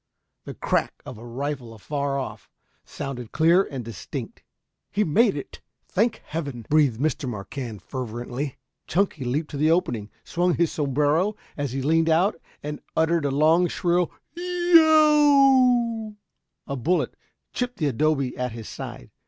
The crack of a rifle afar off sounded clear and distinct. "He's made it. Thank heaven!" breathed Mr. Marquand fervently. Chunky leaped to the opening, swung his sombrero as he leaned out, and uttered a long, shrill "y e o w!" A bullet chipped the adobe at his side.